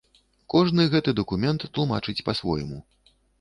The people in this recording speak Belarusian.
Кожны гэты дакумент тлумачыць па-свойму.